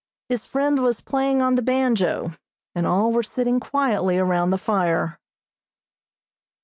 His friend was playing on the banjo, and all were sitting quietly around the fire.